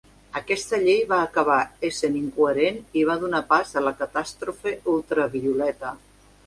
Aquesta llei va acabar essent incoherent i va donar pas a la catàstrofe ultra-violeta.